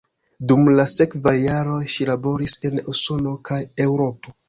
Dum la sekvaj jaroj ŝi laboris en Usono kaj Eŭropo.